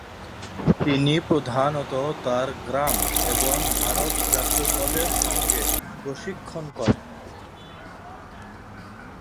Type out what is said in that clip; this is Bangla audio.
তিনি প্রধানত তার গ্রাম এবং ভারত জাতীয় দলের সঙ্গে প্রশিক্ষণ করেন।